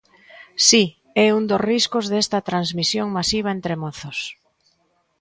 Si, é un dos riscos desta transmisión masiva entre mozos.